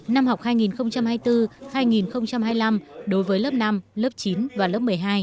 năm học hai nghìn hai mươi bốn hai nghìn hai mươi năm đối với lớp năm lớp chín và lớp một mươi hai